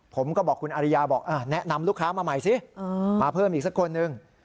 ผมก็บอกคุณอริยาบอกแนะนำลูกค้ามาใหม่สิมาเพิ่มอีกสักคนหนึ่ง